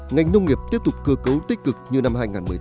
ngành nông nghiệp tiếp tục cơ cấu tích cực như năm hai nghìn một mươi tám